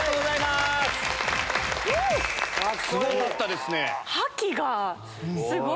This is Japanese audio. すごかったですね。